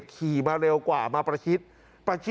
ทำไมคงคืนเขาว่าทำไมคงคืนเขาว่า